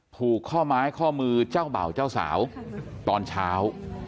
ผูกข้อไม้ข้อมือเจ้าเบ่าเจ้าสาวตอนเช้า